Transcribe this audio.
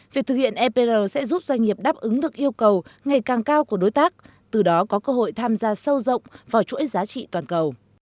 việc thực hiện epr sẽ giúp doanh nghiệp đáp ứng được yêu cầu ngày càng cao của đối tác từ đó có cơ hội tham gia sâu rộng vào chuỗi giá trị toàn cầu